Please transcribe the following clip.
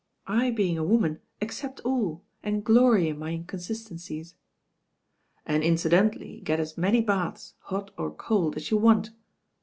I being a woman accept all, and glory in my inconsistencies." "And incidentally get as many baths, hot or cold, as you want."